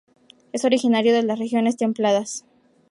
Es originario de las regiones templadas.